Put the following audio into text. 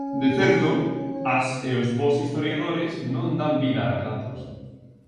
De certo, as e os bos historiadores non dan vida a "relatos".